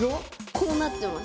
こうなってます。